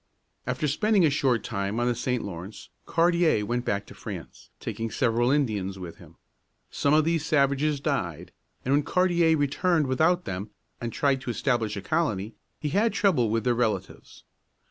After spending a short time on the St. Lawrence, Cartier went back to France, taking several Indians with him. Some of these savages died, and when Cartier returned without them, and tried to establish a colony, he had trouble with their relatives.